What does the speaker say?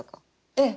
ええ。